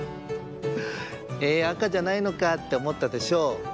「え赤じゃないのか」っておもったでしょう？